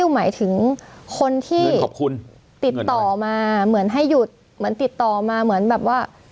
หมายถึงคนที่ขอบคุณติดต่อมาเหมือนให้หยุดเหมือนติดต่อมาเหมือนแบบว่า